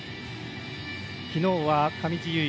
昨日は上地結衣